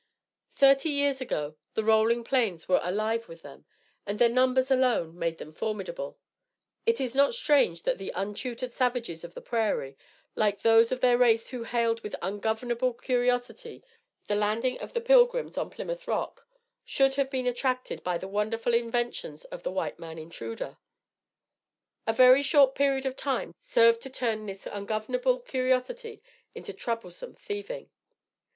Thirty years ago the rolling plains were alive with them, and their numbers alone made them formidable. It is not strange that the untutored savages of the prairie, like those of their race who hailed with ungovernable curiosity the landing of the Pilgrims on Plymouth Rock, should have been attracted by the wonderful inventions of the white man intruder. A very short period of time served to turn this ungovernable curiosity into troublesome thieving.